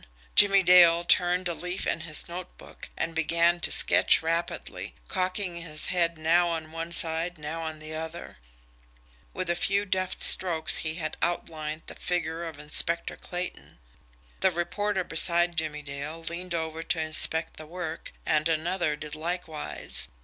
Jimmie Dale turned a leaf in his notebook and began to sketch rapidly, cocking his head now on one side now on the other. With a few deft strokes he had outlined the figure of Inspector Clayton. The reporter beside Jimmie Dale leaned over to inspect the work, and another did likewise.